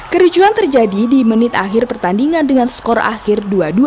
kericuan terjadi di menit akhir pertandingan dengan skor akhir dua dua